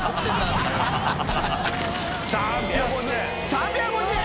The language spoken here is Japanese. ３５０円！